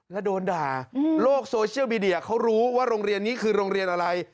แล้วโดนด่าโลกโซเชียลมีเดียเขารู้ว่าโรงเรียนนี้คือโรงเรียนอะไร